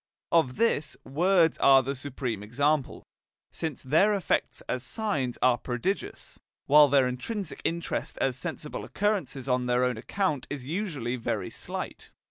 Of this, words are the supreme example, since their effects as signs are prodigious, while their intrinsic interest as sensible occurrences on their own account is usually very slight.